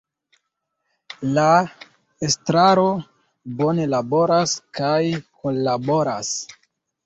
La Estraro bone laboras kaj kunlaboras.